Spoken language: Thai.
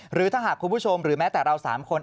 หรือถ้าหากคุณผู้ชมหรือแม้แต่เรา๓คน